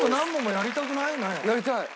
やりたい！